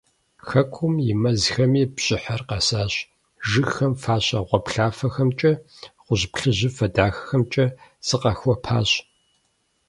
Хэкум и мэзхэми бжьыхьэр къэсащ, жыгхэм фащэ гъуаплъафэхэмкӏэ, гъуэжь-плъыжьыфэ дахэхэмкӀэ зыкъахуэпащ.